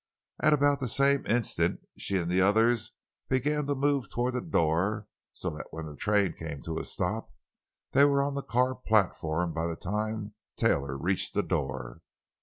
At about the same instant she and the others began to move toward the door; so that when the train came to a stop they were on the car platform by the time Taylor reached the door.